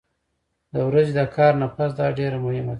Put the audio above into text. د ورځې د کار نه پس دا ډېره مهمه ده